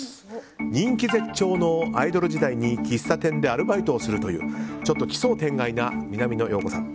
人気絶頂のアイドル時代に喫茶店でアルバイトをするというちょっと奇想天外な南野陽子さん。